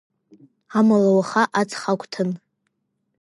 Амала уаха аҵхагәҭан…